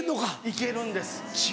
行けるんです。